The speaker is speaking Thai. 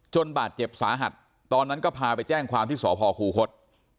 บาดเจ็บสาหัสตอนนั้นก็พาไปแจ้งความที่สพคูคศ